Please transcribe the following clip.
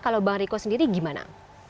kalau bang riko sendiri gimana